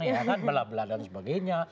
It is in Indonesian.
ya kan belah belah dan sebagainya